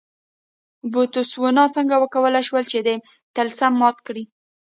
بوتسوانا څنګه وکولای شول چې دا طلسم مات کړي.